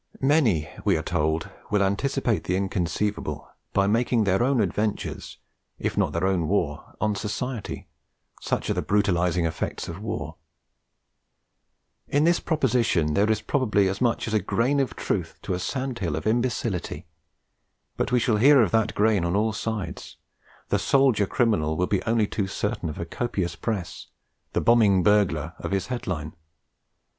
Many, we are told, will anticipate the inconceivable by making their own adventures, if not their own war on society, such are the brutalising effects of war! In this proposition there is probably as much as a grain of truth to a sandhill of imbecility; but we shall hear of that grain on all sides; the soldier criminal will be only too certain of a copious press, the bombing burglar of his headline.